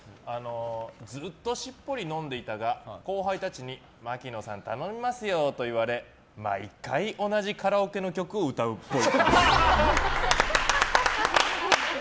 ずっとしっぽり飲んでいたが後輩たちに槙野さん、頼みますよと言われ毎回同じカラオケの曲を歌うっぽい。